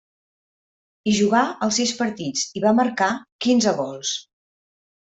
Hi jugà els sis partits, i va marcar quinze gols.